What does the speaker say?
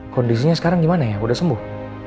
kondisinya sekarang gimana ya udah sembuh